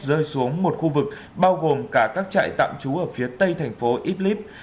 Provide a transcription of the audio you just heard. rơi xuống một khu vực bao gồm cả các trại tạm trú ở phía tây thành phố iblis